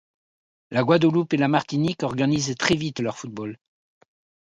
La Guadeloupe et la Martinique organisent très vite leur football.